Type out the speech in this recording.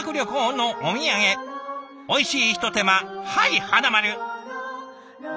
おいしいひと手間はい花丸！